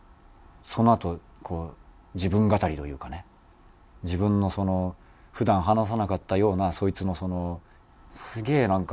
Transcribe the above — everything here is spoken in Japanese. そのあとこう自分語りというかね自分の普段話さなかったようなそいつのそのすげえ